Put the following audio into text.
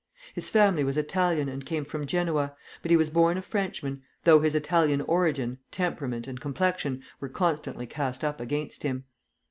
His family was Italian and came from Genoa, but he was born a Frenchman, though his Italian origin, temperament, and complexion were constantly cast up against him.